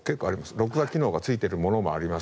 録画機能がついているものもあります。